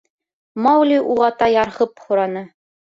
Маугли уғата ярһып һораны: